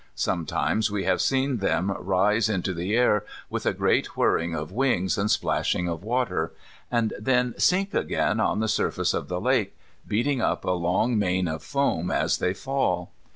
Sometimes we have seen them rise into the air with a great whirring of wings and splashing of water, and then sink again on the surface of the lake, beating up a long mane of foam as they fall.